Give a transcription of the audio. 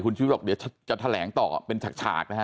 ชีวิตบอกเดี๋ยวจะแถลงต่อเป็นฉากนะฮะ